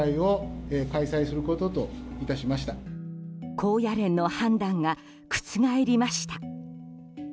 高野連の判断が覆りました。